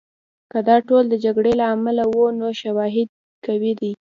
که دا ټول د جګړې له امله وو، نو شواهد قوي دي.